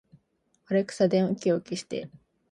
アレクサ、電気を消して